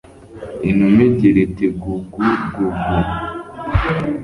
inuma igira iti “gugu gugugu